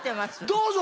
どうぞ！